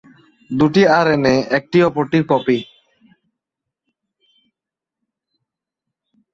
দুইটি আরএনএ একটি অপরটির কপি।